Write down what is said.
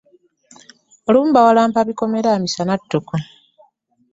Olumu bawalampa bikomera misana ttuku!